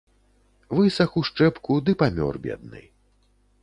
Высах у шчэпку ды памёр бедны.